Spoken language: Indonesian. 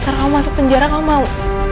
karena kamu masuk penjara kamu mau